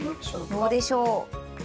どうでしょう？